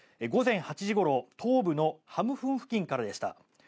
午前８時ごろ東部のハムフン付近からでした。